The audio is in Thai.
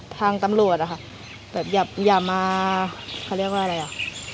ทางตำรวจอะค่ะแบบอย่ามาเขาเรียกว่าอะไรอ่ะ